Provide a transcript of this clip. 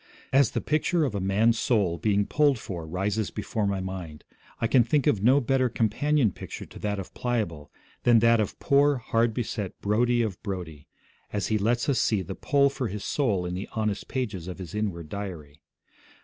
As the picture of a man's soul being pulled for rises before my mind, I can think of no better companion picture to that of Pliable than that of poor, hard beset Brodie of Brodie, as he lets us see the pull for his soul in the honest pages of his inward diary.